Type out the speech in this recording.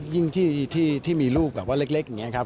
ยิ่งที่มีลูกแบบว่าเล็กอย่างนี้ครับ